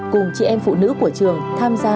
cùng chị em phụ nữ của trường tham gia